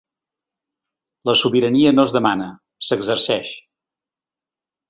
La sobirania no es demana, s’exerceix.